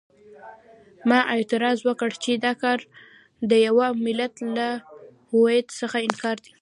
ما اعتراض وکړ چې دا کار د یوه ملت له هویت څخه انکار دی.